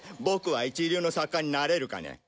ボクは一流の作家になれるかね？